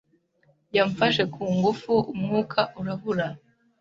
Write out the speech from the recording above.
yamfashe ku ngufu umwuka urabura.